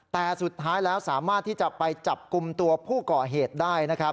แต่สุดท้ายแล้วสามารถที่จะไปจับกุมตัวผู้เกาะเหตุได้